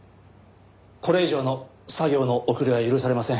これ以上の作業の遅れは許されません。